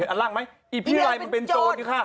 อันล่างไหมอีพิไลมันเป็นโจรค่ะ